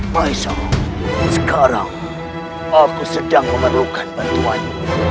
maiso sekarang aku sedang memerlukan bantuanmu